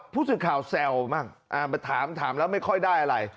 ผู้สื่อข่าวแซวบ้างมาถามถามแล้วไม่ค่อยได้อะไร